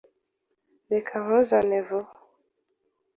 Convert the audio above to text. Reka nkuzane vuba.